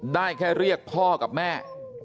ได้แค่เรียกพ่อกับแม่